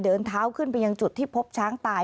เดินเท้าขึ้นไปยังจุดที่พบช้างตาย